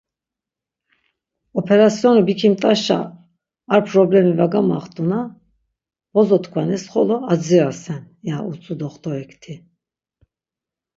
Operasyoni bikomt̆atşa ar problemi var gamaxtu na, bozo tkvanis xolo adzirasen…” ya utzu Doxtorikti.